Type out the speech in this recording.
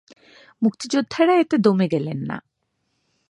মুক্তিযোদ্ধারা এতে দমে গেলেন না।